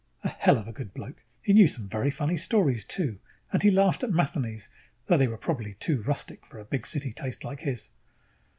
A hell of a good bloke. He knew some very funny stories, too, and he laughed at Matheny's, though they were probably too rustic for a big city taste like his.